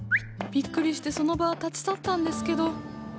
びっくりしてその場は立ち去ったんですけど